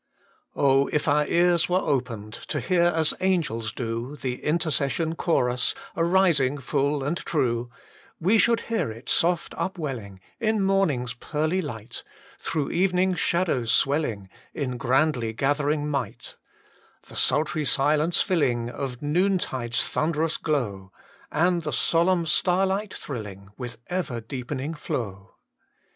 TTTE MINISTRY OF INTEIJ CESSION Oh, if our ears were opened To bear as angels do The Intercession chorus Arising full and true, We should hear it soft up welling In morning s pearly light ; Through evening s shadows swelling In grandly gathering might ; The sultry silence filling Of noontide s thunderous glow, And the solemn starlight thrilling With ever deepening flow.